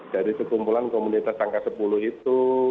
dari sekumpulan komunitas angka sepuluh itu